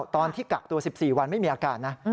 ตอนที่กักตัว๑๔วันไม่มีอาการนะ